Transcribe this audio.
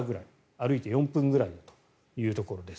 歩いて４分ぐらいということです。